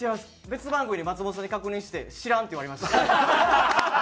別番組で松本さんに確認して「知らん」って言われました。